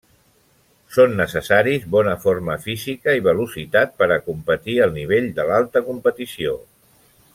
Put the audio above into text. Són necessaris bona forma física i velocitat per a competir al nivell de l'alta competició.